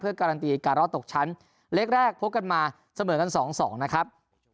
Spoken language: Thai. การันตีการรอดตกชั้นเล็กแรกพบกันมาเสมอกันสองสองนะครับ